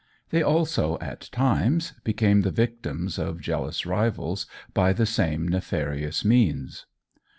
They also, at times, became the victims of jealous rivals by the same nefarious means.